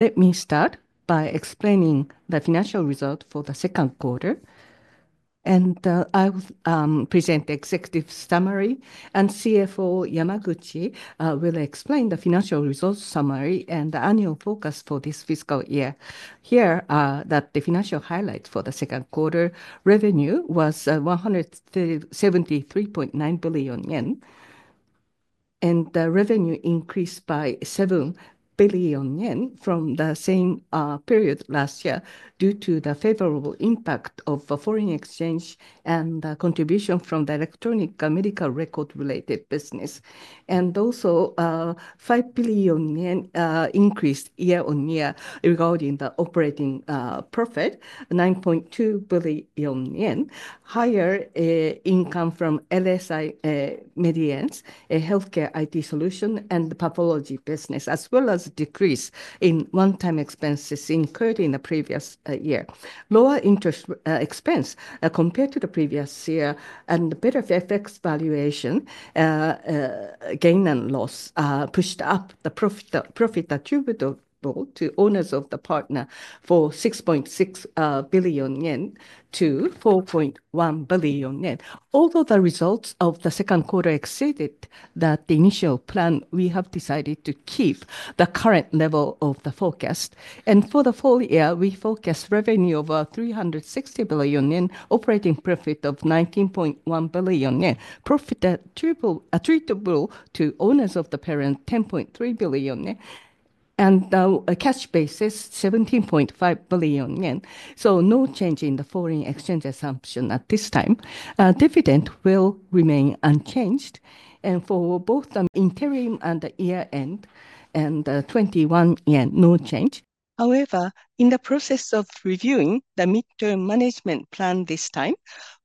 Let me start by explaining the financial results for the second quarter, and I will present the executive summary. CFO Yamaguchi will explain the financial results summary and the annual focus for this fiscal year. Here, the financial highlights for the second quarter: revenue was 173.9 billion yen, and revenue increased by 7 billion yen from the same period last year due to the favorable impact of foreign exchange and contribution from the electronic medical record-related business, and also, 5 billion yen increased year-on-year regarding the operating profit, 9.2 billion yen, higher income from LSI Medience, a healthcare IT solution and pathology business, as well as a decrease in one-time expenses incurred in the previous year. Lower interest expense compared to the previous year and better FX valuation gain and loss pushed up the profit attributable to owners of the parent for 6.6 billion-4.1 billion yen. Although the results of the second quarter exceeded the initial plan, we have decided to keep the current level of the forecast. For the full year, we forecast revenue of 360 billion yen, operating profit of 19.1 billion yen, profit attributable to owners of the parent 10.3 billion yen, and a cash basis 17.5 billion yen. No change in the foreign exchange assumption at this time. Dividend will remain unchanged for both the interim and year-end, and 21 yen, no change. However, in the process of reviewing the Mid-term Management Plan this time,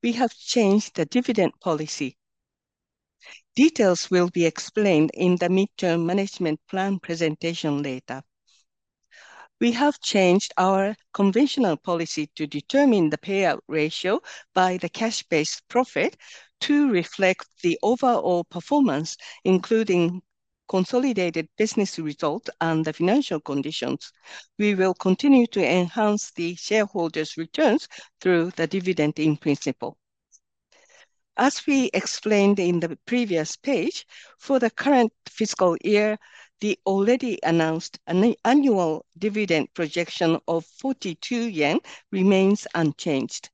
we have changed the dividend policy. Details will be explained in the Mid-term Management Plan presentation later. We have changed our conventional policy to determine the payout ratio by the cash-based profit to reflect the overall performance, including consolidated business results and the financial conditions. We will continue to enhance the shareholders' returns through the dividend in principle. As we explained in the previous page, for the current fiscal year, the already announced annual dividend projection of 42 yen remains unchanged.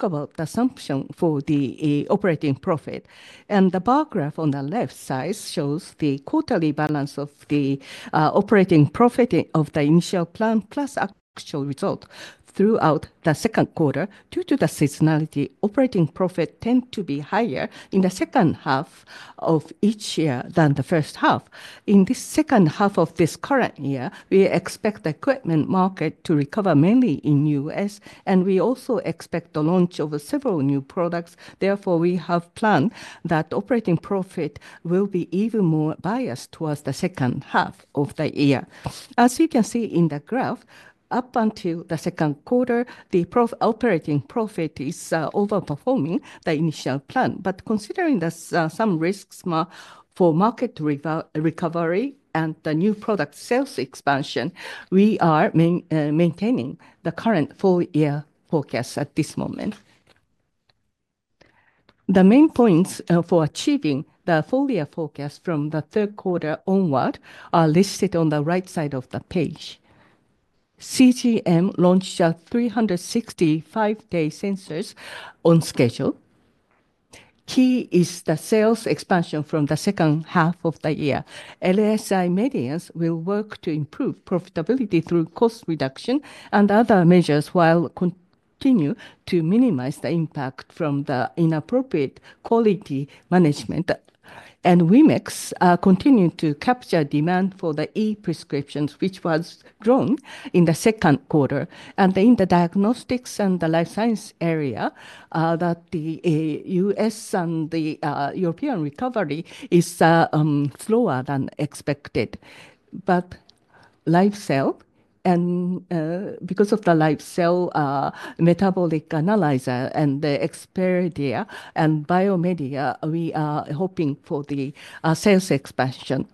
Talk about the assumption for the operating profit, and the bar graph on the left side shows the quarterly balance of the operating profit of the initial plan plus actual result. Throughout the second quarter, due to the seasonality, operating profit tends to be higher in the second half of each year than the first half. In this second half of this current year, we expect the equipment market to recover mainly in the U.S., and we also expect the launch of several new products. Therefore, we have planned that operating profit will be even more biased towards the second half of the year. As you can see in the graph, up until the second quarter, the operating profit is overperforming the initial plan. But considering there are some risks for market recovery and the new product sales expansion, we are maintaining the current full-year forecast at this moment. The main points for achieving the full-year forecast from the third quarter onward are listed on the right side of the page. CGM launched 365-day sensors on schedule. Key is the sales expansion from the second half of the year. LSI Medience will work to improve profitability through cost reduction and other measures while continuing to minimize the impact from the inappropriate quality management. And Wemex continues to capture demand for the e-prescriptions, which was grown in the second quarter. And in the diagnostics and the life science area, the U.S. and the European recovery is slower than expected. But Live Cell, and because of the Live Cell Metabolic Analyzer and the expertise and Biomedical, we are hoping for the sales expansion.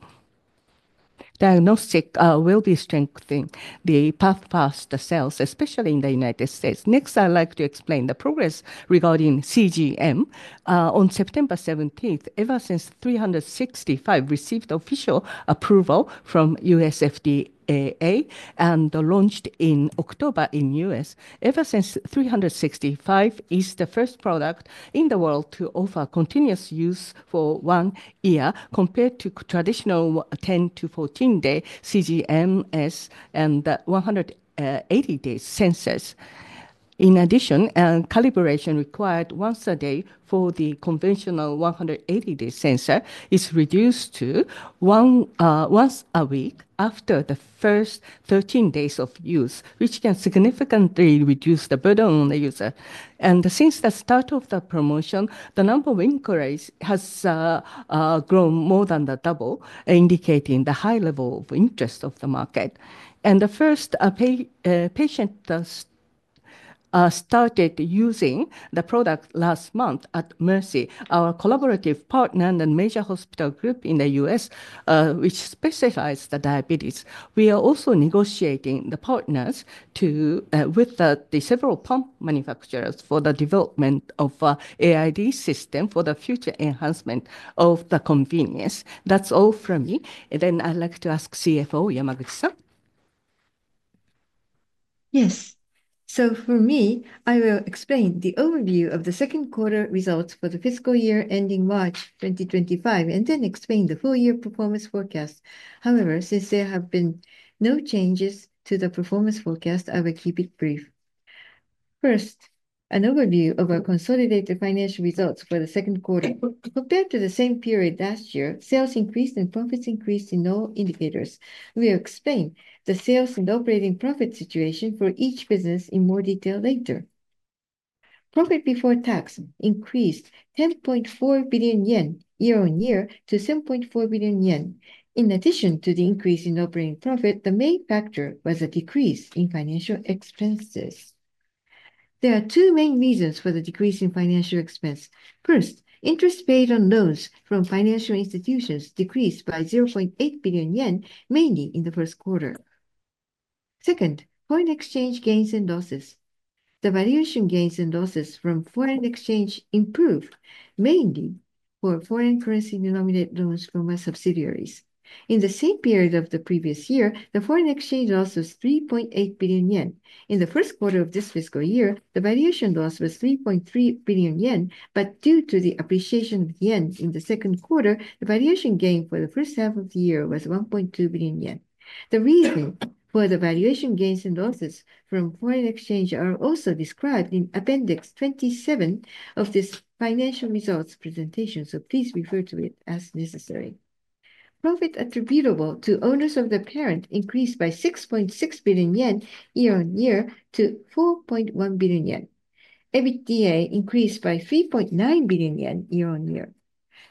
Diagnostics will be strengthening the PATHFAST, especially in the United States. Next, I'd like to explain the progress regarding CGM. On September 17, Eversense 365 received official approval from U.S. FDA and launched in October in the U.S. Eversense 365 is the first product in the world to offer continuous use for one year compared to traditional 10- to 14-day CGMs and 180-day sensors. In addition, calibration required once a day for the conventional 180-day sensor is reduced to once a week after the first 13 days of use, which can significantly reduce the burden on the user, and since the start of the promotion, the number of inquiries has grown more than double, indicating the high level of interest of the market. The first patient started using the product last month at Mercy, our collaborative partner and major hospital group in the U.S., which specializes in diabetes. We are also negotiating with the partners with the several pump manufacturers for the development of an AID system for the future enhancement of the convenience. That's all from me. Then I'd like to ask CFO Yamaguchi-san. Yes. So for me, I will explain the overview of the second quarter results for the fiscal year ending March 2025, and then explain the full-year performance forecast. However, since there have been no changes to the performance forecast, I will keep it brief. First, an overview of our consolidated financial results for the second quarter. Compared to the same period last year, sales increased and profits increased in all indicators. We will explain the sales and operating profit situation for each business in more detail later. Profit before tax increased 10.4 billion yen year-on-year to 7.4 billion yen. In addition to the increase in operating profit, the main factor was a decrease in financial expenses. There are two main reasons for the decrease in financial expense. First, interest paid on loans from financial institutions decreased by 0.8 billion yen, mainly in the first quarter. Second, foreign exchange gains and losses. The valuation gains and losses from foreign exchange improved, mainly for foreign currency-denominated loans from our subsidiaries. In the same period of the previous year, the foreign exchange loss was 3.8 billion yen. In the first quarter of this fiscal year, the valuation loss was 3.3 billion yen, but due to the appreciation of yen in the second quarter, the valuation gain for the first half of the year was 1.2 billion yen. The reason for the valuation gains and losses from foreign exchange are also described in Appendix 27 of this financial results presentation, so please refer to it as necessary. Profit attributable to owners of the parent increased by 6.6 billion yen year-on-year to 4.1 billion yen. EBITDA increased by 3.9 billion yen year-on-year.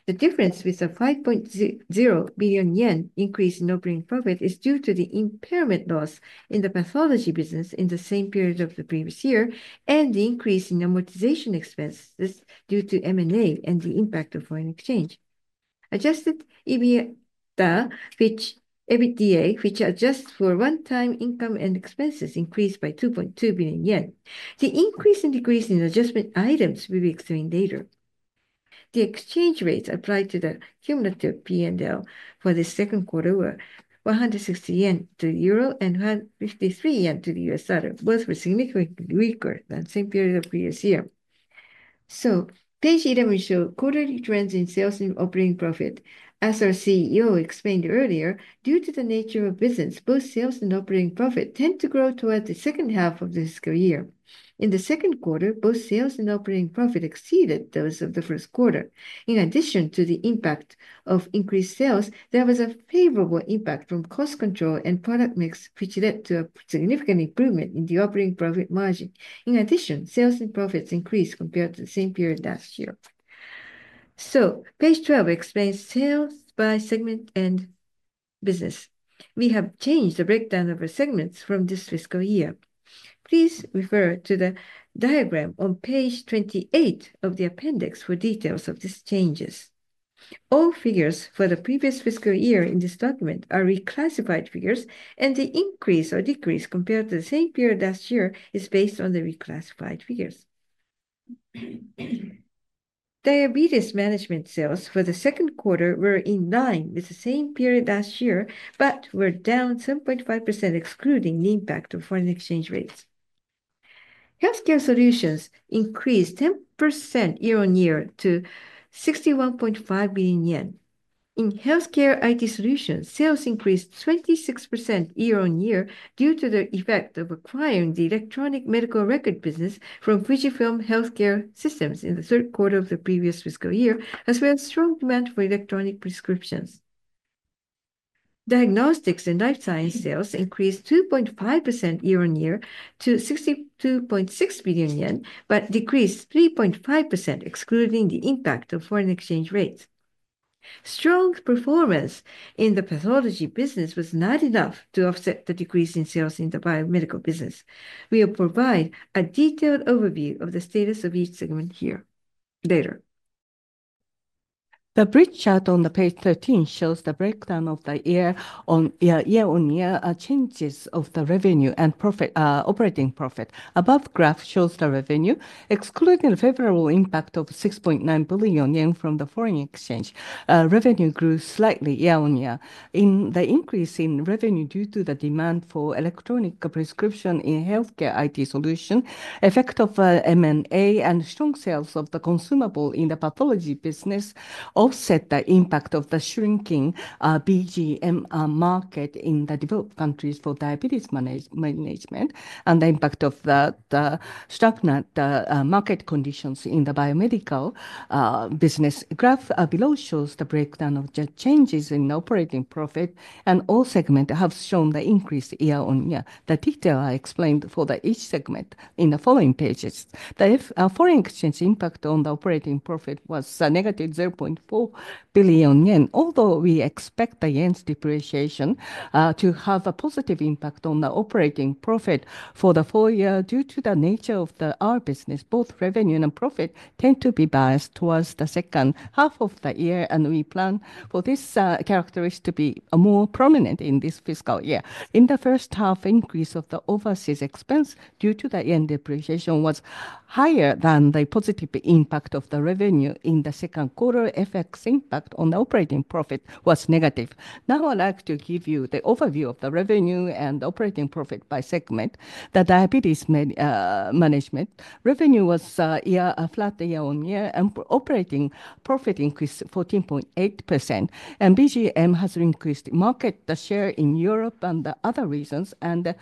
The difference with the 5.0 billion yen increase in operating profit is due to the impairment loss in the pathology business in the same period of the previous year and the increase in amortization expenses due to M&A and the impact of foreign exchange. Adjusted EBITDA, which adjusts for one-time income and expenses, increased by 2.2 billion yen. The increase and decrease in adjustment items we will explain later. The exchange rates applied to the cumulative P&L for the second quarter were 160 yen to the euro and 153 yen to the US Dollar, both were significantly weaker than the same period of the previous year. So page 11 shows quarterly trends in sales and operating profit. As our CEO explained earlier, due to the nature of business, both sales and operating profit tend to grow towards the second half of the fiscal year. In the second quarter, both sales and operating profit exceeded those of the first quarter. In addition to the impact of increased sales, there was a favorable impact from cost control and product mix, which led to a significant improvement in the operating profit margin. In addition, sales and profits increased compared to the same period last year. So page 12 explains sales by segment and business. We have changed the breakdown of our segments from this fiscal year. Please refer to the diagram on page 28 of the appendix for details of these changes. All figures for the previous fiscal year in this document are reclassified figures, and the increase or decrease compared to the same period last year is based on the reclassified figures. Diabetes management sales for the second quarter were in line with the same period last year but were down 7.5%, excluding the impact of foreign exchange rates. Healthcare solutions increased 10% year-on-year to 61.5 billion yen. In healthcare IT solutions, sales increased 26% year-on-year due to the effect of acquiring the electronic medical record business from FUJIFILM Healthcare Systems in the third quarter of the previous fiscal year, as well as strong demand for electronic prescriptions. Diagnostics and life science sales increased 2.5% year-on-year to 62.6 billion yen but decreased 3.5%, excluding the impact of foreign exchange rates. Strong performance in the pathology business was not enough to offset the decrease in sales in the biomedical business. We will provide a detailed overview of the status of each segment here later. The bar chart on page 13 shows the breakdown of the year-on-year changes of the revenue and operating profit. above graph shows the revenue, excluding the favorable impact of 6.9 billion yen from the foreign exchange. Revenue grew slightly year-on-year. The increase in revenue due to the demand for electronic prescription in healthcare IT solutions, the effect of M&A and strong sales of the consumable in the pathology business offset the impact of the shrinking BGM market in the developed countries for Diabetes Management and the impact of the sharp market conditions in the biomedical business. The graph below shows the breakdown of the changes in operating profit, and all segments have shown the increase year-on-year. The detail I explained for each segment in the following pages. The foreign exchange impact on the operating profit was negative 0.4 billion yen, although we expect the yen's depreciation to have a positive impact on the operating profit for the full year due to the nature of our business. Both revenue and profit tend to be biased towards the second half of the year, and we plan for these characteristics to be more prominent in this fiscal year. In the first half, the increase of the overseas expense due to the yen depreciation was higher than the positive impact of the revenue in the second quarter. The effect's impact on the operating profit was negative. Now I'd like to give you the overview of the revenue and operating profit by segment. The Diabetes Management revenue was flat year-on-year, and operating profit increased 14.8%. BGM has increased market share in Europe and other reasons, and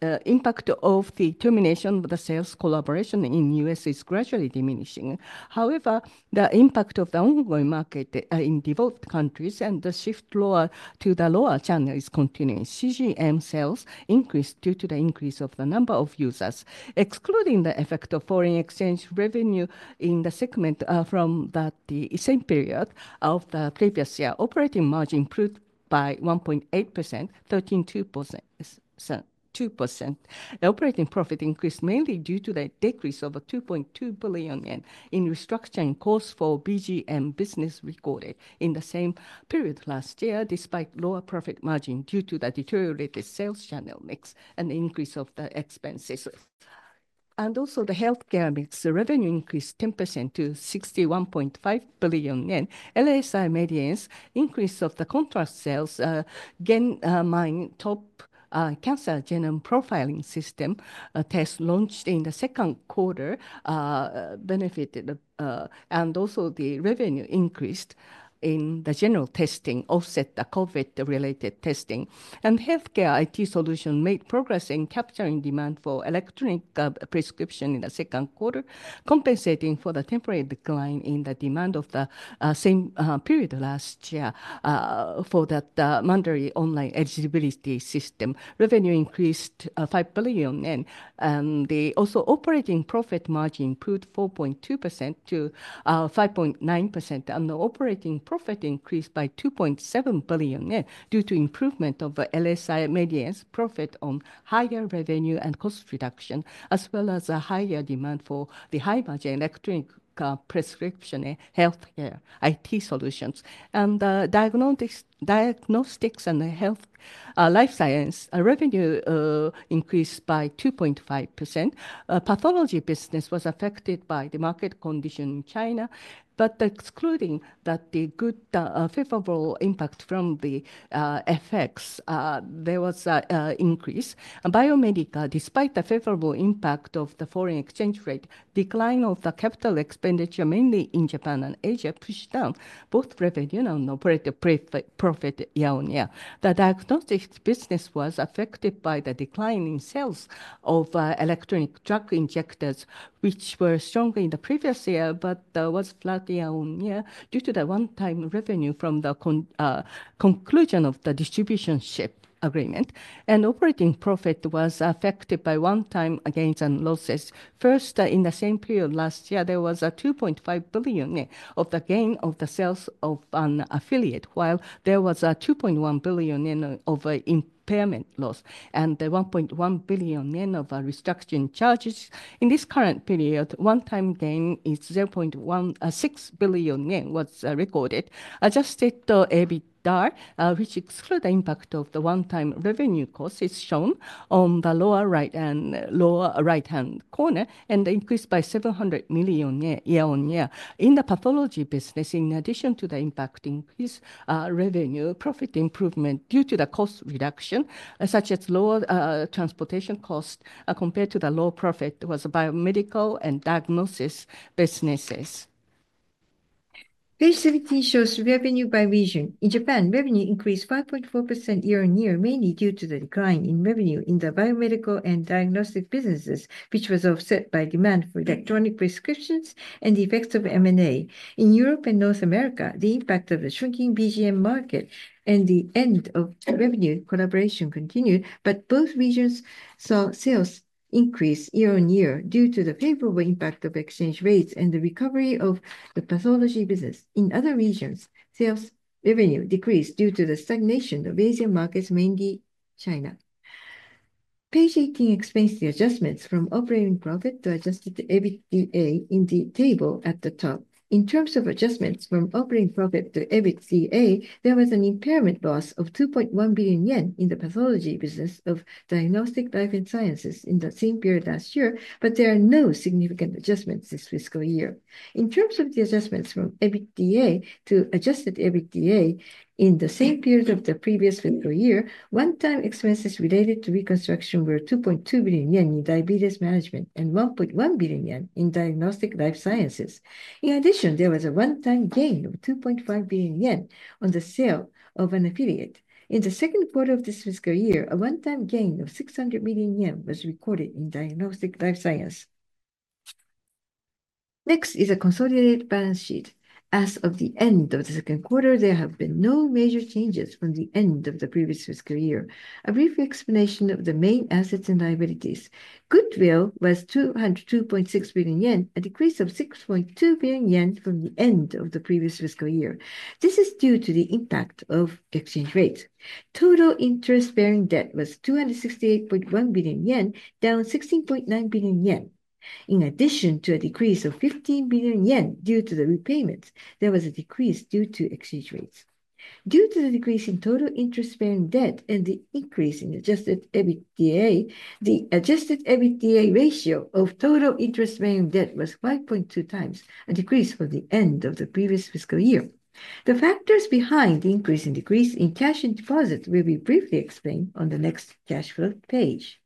the impact of the termination of the sales collaboration in the U.S. is gradually diminishing. However, the impact of the ongoing market in developed countries and the shift to the lower channel is continuing. CGM sales increased due to the increase of the number of users, excluding the effect of foreign exchange. Revenue in the segment from the same period of the previous year. Operating margin improved by 1.8%, 13.2%. The operating profit increased mainly due to the decrease of 2.2 billion yen in restructuring costs for BGM business recorded in the same period last year, despite lower profit margin due to the deteriorated sales channel mix and the increase of the expenses. Also, the healthcare business, the revenue increased 10% to 61.5 billion yen. LSI Medience increased due to the contract sales. GenMineTOP cancer genome profiling system test launched in the second quarter benefited, and also the revenue increased in the general testing offset the COVID-related testing. Healthcare IT solution made progress in capturing demand for electronic prescription in the second quarter, compensating for the temporary decline in the demand of the same period last year for that mandatory online eligibility system. Revenue increased 5 billion yen, and the also operating profit margin improved 4.2% to 5.9%, and the operating profit increased by 2.7 billion yen due to improvement of LSI Medience profit on higher revenue and cost reduction, as well as a higher demand for the high-budget electronic prescription healthcare IT solutions. Diagnostics and Health Life Science revenue increased by 2.5%. Pathology business was affected by the market condition in China, but excluding the good favorable impact from the effects, there was an increase. Biomedical, despite the favorable impact of the foreign exchange rate, decline of the capital expenditure, mainly in Japan and Asia, pushed down both revenue and operating profit year-on-year. The diagnostics business was affected by the decline in sales of electronic drug injectors, which were stronger in the previous year but was flat year-on-year due to the one-time revenue from the conclusion of the distribution agreement, and operating profit was affected by one-time gains and losses. First, in the same period last year, there was a 2.5 billion of the gain of the sales of an affiliate, while there was a 2.1 billion of impairment loss and 1.1 billion yen of restructuring charges. In this current period, one-time gain is 0.6 billion yen was recorded. Adjusted EBITDA, which excludes the impact of the one-time revenue cost, is shown on the lower right-hand corner and increased by 700 million yen year-on-year. In the pathology business, in addition to the impact increase, revenue and profit improvement due to the cost reduction, such as lower transportation costs compared to the low profit, was in biomedical and diagnostics businesses. Page 17 shows revenue by region. In Japan, revenue increased 5.4% year-on-year, mainly due to the decline in revenue in the biomedical and diagnostics businesses, which was offset by demand for electronic prescriptions and the effects of M&A. In Europe and North America, the impact of the shrinking BGM market and the end of revenue collaboration continued, but both regions saw sales increase year-on-year due to the favorable impact of exchange rates and the recovery of the pathology business. In other regions, sales revenue decreased due to the stagnation of Asian markets, mainly China. Page 18 explains the adjustments from operating profit to Adjusted EBITDA in the table at the top. In terms of adjustments from operating profit to EBITDA, there was an impairment loss of 2.1 billion yen in the pathology business of Diagnostic Life Sciences in the same period last year, but there are no significant adjustments this fiscal year. In terms of the adjustments from EBITDA to adjusted EBITDA in the same period of the previous fiscal year, one-time expenses related to reconstruction were 2.2 billion yen in Diabetes Management and 1.1 billion yen in Diagnostic Life Sciences. In addition, there was a one-time gain of 2.5 billion yen on the sale of an affiliate. In the second quarter of this fiscal year, a one-time gain of 600 million yen was recorded in Diagnostic Life Sciences. Next is a consolidated balance sheet. As of the end of the second quarter, there have been no major changes from the end of the previous fiscal year. A brief explanation of the main assets and liabilities. Goodwill was 202.6 billion yen, a decrease of 6.2 billion yen from the end of the previous fiscal year. This is due to the impact of exchange rates. Total interest-bearing debt was 268.1 billion yen, down 16.9 billion yen. In addition to a decrease of 15 billion yen due to the repayments, there was a decrease due to exchange rates. Due to the decrease in total interest-bearing debt and the increase in adjusted EBITDA, the adjusted EBITDA ratio of total interest-bearing debt was 5.2x, a decrease from the end of the previous fiscal year. The factors behind the increase and decrease in cash and deposits will be briefly explained on the next cash flow page.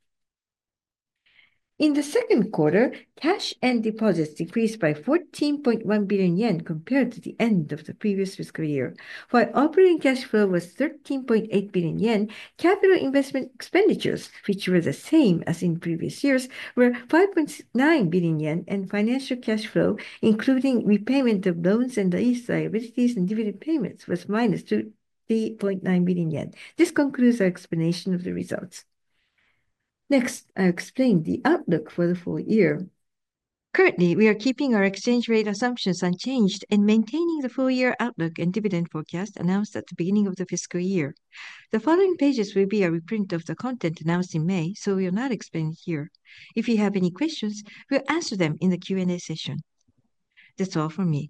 In the second quarter, cash and deposits decreased by 14.1 billion yen compared to the end of the previous fiscal year. While operating cash flow was 13.8 billion yen, capital investment expenditures, which were the same as in previous years, were 5.9 billion yen, and financial cash flow, including repayment of loans and lease liabilities and dividend payments, was minus 20.9 billion yen. This concludes our explanation of the results. Next, I'll explain the outlook for the full year. Currently, we are keeping our exchange rate assumptions unchanged and maintaining the full-year outlook and dividend forecast announced at the beginning of the fiscal year. The following pages will be a reprint of the content announced in May, so we are not explaining here. If you have any questions, we'll answer them in the Q&A session. That's all for me.